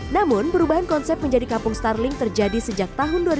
namun perubahan konsep menjadi kampung starling terjadi sejak tahun dua ribu